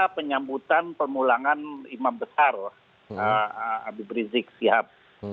penyambutan pemulangan imam besar habib rizik sihab